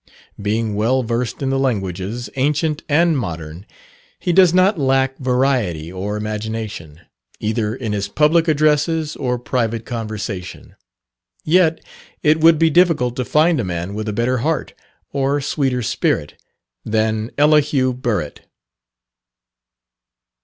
Being well versed in the languages, ancient and modern, he does not lack variety or imagination, either in his public addresses or private conversation; yet it would be difficult to find a man with a better heart, or sweeter spirit, than Elihu Burritt.